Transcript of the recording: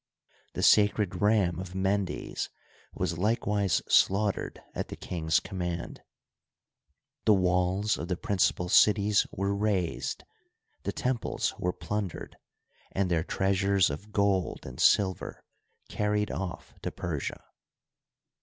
The sacred ram of Mendes was likewise slaughtered at the king's command. The walls of the principal cities were razed ; the temples were plundered, and their treasures of gold and silver carried off to Persia.